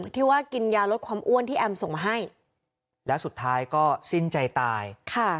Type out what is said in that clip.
ที่ว่ากินยาลดความอ้วนที่แอมส่งมาให้แล้วสุดท้ายก็สิ้นใจตายค่ะ